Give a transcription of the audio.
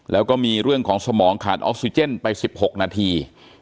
แล้วก็มีเรื่องของสมองขาดออกซิเจนไป๑๖นาที